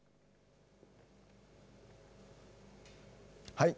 はい。